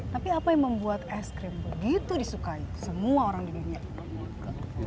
tapi apa yang membuat es krim begitu disukai semua orang di dunia